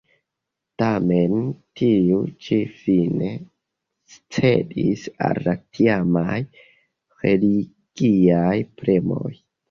Tamen, tiu ĉi fine cedis al la tiamaj religiaj premoj.